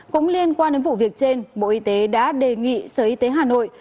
cũng liên quan đến vụ việc trên bộ y tế đã đề nghị sở y tế hà nội